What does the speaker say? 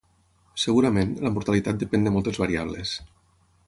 Segurament, la mortalitat depèn de moltes variables.